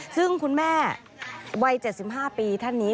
ซึ่งคุณแม่วัย๗๕ปีท่านนี้